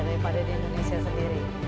daripada di indonesia sendiri